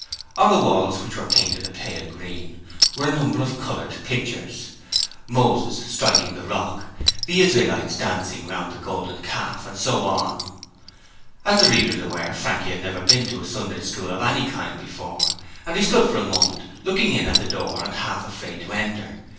On the walls which were painted a pale green were a number of coloured pictures: Moses striking the Rock, the Israelites dancing round the Golden Calf, and so on. As the reader is aware, Frankie had never been to a Sunday School of any kind before, and he stood for a moment looking in at the door and half afraid to enter.